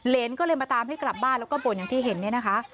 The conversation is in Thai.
ก็เลยมาตามให้กลับบ้านแล้วก็บ่นอย่างที่เห็นเนี่ยนะคะ